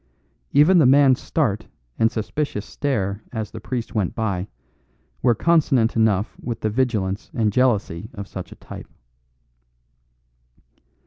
Even the man's start and suspicious stare as the priest went by were consonant enough with the vigilance and jealousy of such a type.